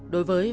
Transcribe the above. đối với vnđ